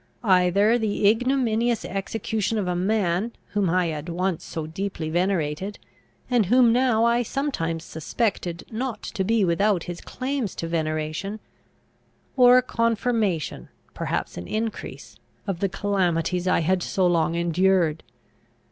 Either the ignominious execution of a man whom I had once so deeply venerated, and whom now I sometimes suspected not to be without his claims to veneration; or a confirmation, perhaps an increase, of the calamities I had so long endured.